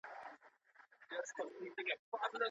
ولي کوښښ کوونکی د ذهین سړي په پرتله موخي ترلاسه کوي؟